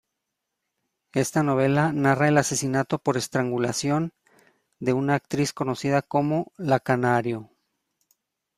Esta novela narra el asesinato por estrangulación de una actriz conocida como "La Canario".